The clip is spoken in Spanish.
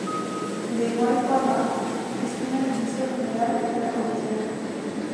De igual forma, gestiona el Registro General de la Comisión.